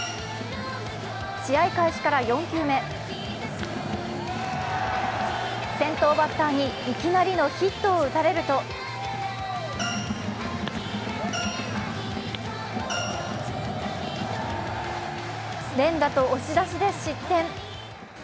試合開始から４球目、先頭バッターにいきなりのヒットを打たれると連打と押し出しで失点。